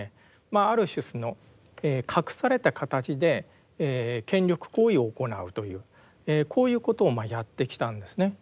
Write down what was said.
ある種その隠された形で権力行為を行うというこういうことをまあやってきたんですね。